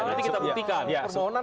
nanti kita buktikan